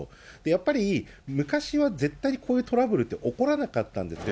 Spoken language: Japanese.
やっぱり、昔は絶対にこういうトラブルって起こらなかったんですよね。